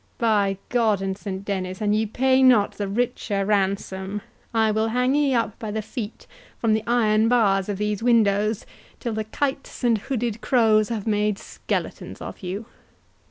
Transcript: By God and St Dennis, an ye pay not the richer ransom, I will hang ye up by the feet from the iron bars of these windows, till the kites and hooded crows have made skeletons of you!